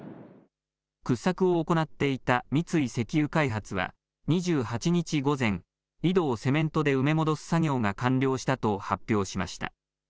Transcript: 掘削を行っていた三井石油開発は２８日午前、井戸をセメントで埋め戻す作業が完了したと発表しました。